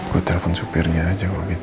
gue telepon supirnya aja mungkin